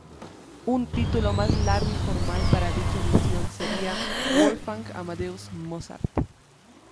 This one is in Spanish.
Un título más largo y formal para dicha edición sería "Wolfgang Amadeus Mozart.